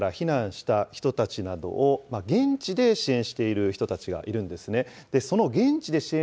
こちらはウクライナから避難した人たちなどを現地で支援している人たちがいるんですね。